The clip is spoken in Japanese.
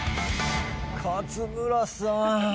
勝村さん。